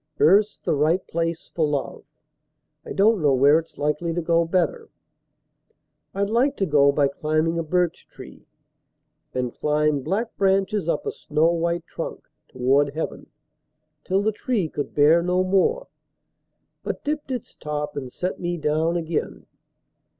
Earth's the right place for love: I don't know where it's likely to go better. I'd like to go by climbing a birch tree, And climb black branches up a snow white trunk Toward heaven, till the tree could bear no more, But dipped its top and set me down again.